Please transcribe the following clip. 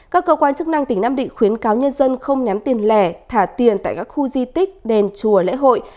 các cơ quan chức năng tỉnh nam định khuyến cáo nhân dân không ném tiền lẻ thả tiền tại các khu di tích đền chùa lễ hội